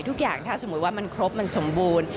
ทุกอย่างถ้าสมมุติว่ามันครบมันสมบูรณ์